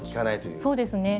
そうですね。